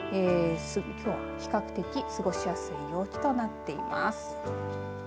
きょうは比較的過ごしやすい陽気となっています。